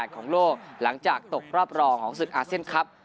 ของโลกหลังจากตกรอบรองของศึกอาเซียนครับ